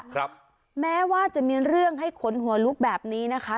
ครับแม้ว่าจะมีเรื่องให้ขนหัวลุกแบบนี้นะคะ